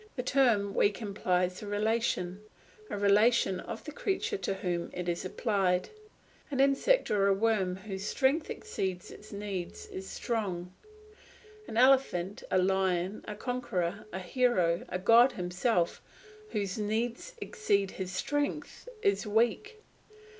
The term weak implies a relation, a relation of the creature to whom it is applied. An insect or a worm whose strength exceeds its needs is strong; an elephant, a lion, a conqueror, a hero, a god himself, whose needs exceed his strength is weak.